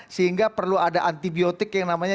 sehingga perlu ada antibiotik yang namanya